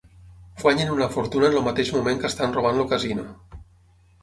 Guanyen una fortuna en el mateix moment que estan robant el casino.